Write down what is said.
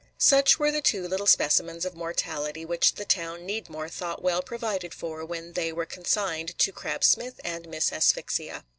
Such were the two little specimens of mortality which the town Needmore thought well provided for when they were consigned to Crab Smith and Miss Asphyxia.